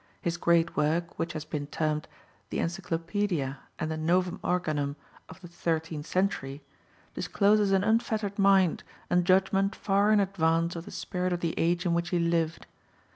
His great work, which has been termed "the Encyclopaedia and the Novum Organum of the thirteenth century," discloses an unfettered mind and judgment far in advance of the spirit of the age in which he lived.